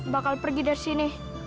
bakal pergi dari sini